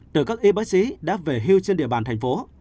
từ các y bác sĩ đã về hưu trên địa bàn thành phố